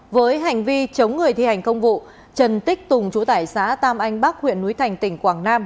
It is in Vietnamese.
với hành vi chống người thi hành công vụ trần tích tùng chủ tải xã tam anh bắc huyện núi thành tỉnh quảng nam